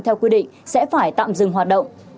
theo quy định sẽ phải tạm dừng hoạt động